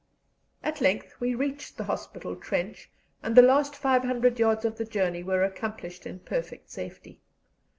At length we reached the hospital trench, and the last 500 yards of the journey were accomplished in perfect safety.